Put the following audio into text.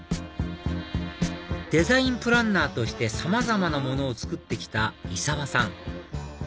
デザインプランナーとしてさまざまなものを作ってきた井澤さん